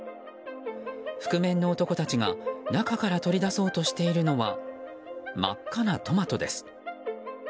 覆面の男たちが中から取り出そうとしているのは真っ赤なトマトです。